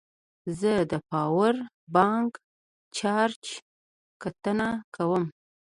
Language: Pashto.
زه د پاور بانک چارج کتنه کوم.